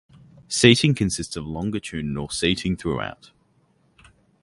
Seating consists of longitudinal seating throughout.